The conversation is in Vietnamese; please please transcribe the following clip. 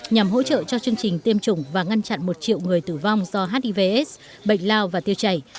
nhằm hỗ trợ cho chương trình tiêm chủng và ngăn chặn một triệu người tử vong do hivs bệnh lao và tiêu chảy